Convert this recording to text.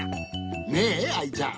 ねえアイちゃん。